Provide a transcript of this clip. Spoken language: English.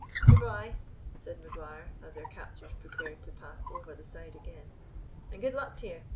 "Good bye," said Maguire, as their captors prepared to pass over the side again. "An' good luck to ye.